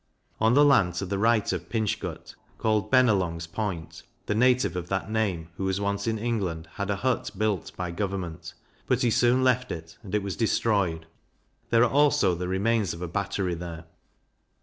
On the land to the right of Pinch gut, called Be ne long's Point, the native of that name, who was once in England, had a hut built by government; but he soon left it, and it was destroyed: There are also the remains of a battery there.